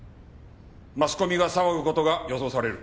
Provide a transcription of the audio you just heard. マスコミが騒ぐ事が予想される。